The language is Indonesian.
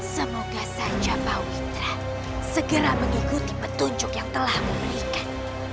semoga saja bawitra segera mengikuti petunjuk yang telah memberikan